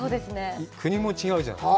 国も違うじゃない。